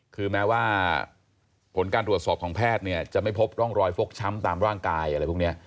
คือแม้ว่าผลการตรวจสอบของแพทย์เนี่ยจะไม่พบร่องรอยฟกช้ำตามร่างกายอะไรพวกนี้